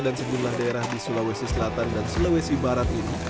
dan sejumlah daerah di sulawesi selatan dan sulawesi barat ini